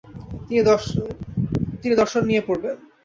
তিনি দর্শন নিয়ে পড়বেন।